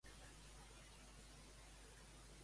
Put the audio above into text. De quina manera desitja parlar d'ella?